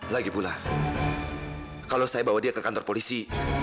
lagi pula kalau saya bawa dia ke kantor polisi